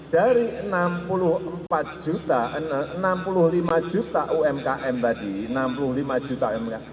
dari enam puluh empat juta enam puluh lima juta umkm tadi enam puluh lima juta umkm